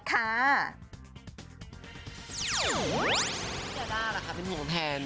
พี่จาด้าหรอคะเป็นห่วงแผน